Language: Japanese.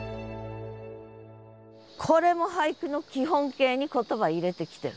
これも俳句の基本形に言葉入れてきてる。